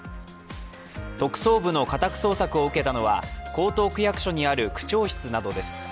特捜部の家宅捜索を受けたのは江東区役所にある区長室などです。